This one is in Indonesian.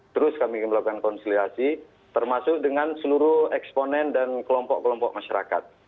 terus kami melakukan konsoliasi termasuk dengan seluruh eksponen dan kelompok kelompok masyarakat